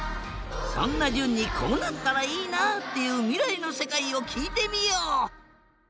そんなじゅんにこうなったらいいなっていうみらいのせかいをきいてみよう。